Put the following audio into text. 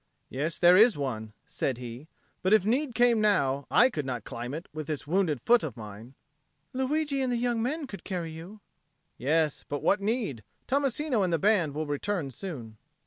"Yes, there is one," said he; "but if need came now, I could not climb it with this wounded foot of mine." "Luigi and the young men could carry you?" "Yes; but what need? Tommasino and the band will return soon."